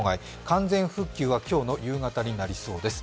完全復旧は今日の夕方になりそうです。